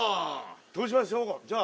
どうしましょうかじゃあ。